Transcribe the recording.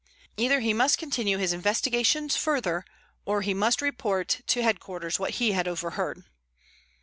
Either he must continue his investigations further, or he must report to headquarters what he had overheard.